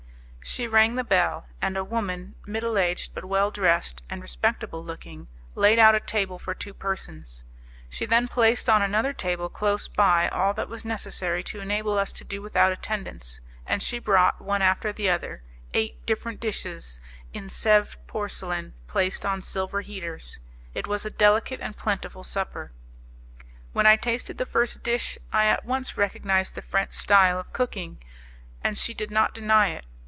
She rang the bell, and a woman, middle aged but well dressed and respectable looking, laid out a table for two persons; she then placed on another table close by all that was necessary to enable us to do without attendance, and she brought, one after the other, eight different dishes in Sevres porcelain placed on silver heaters. It was a delicate and plentiful supper. When I tasted the first dish I at once recognized the French style of cooking, and she did not deny it.